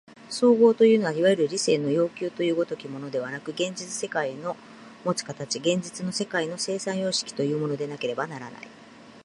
綜合というのはいわゆる理性の要求という如きものではなく、現実の世界のもつ形、現実の世界の生産様式というものでなければならない。